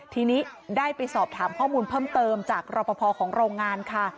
ทีนี้ได้ไปสอบถามข้อมูลเพิ่มเติมจากรอปภของโรงงานค่ะ